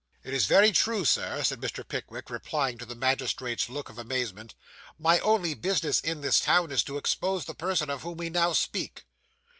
'It is very true, Sir,' said Mr. Pickwick, replying to the magistrate's look of amazement; 'my only business in this town, is to expose the person of whom we now speak.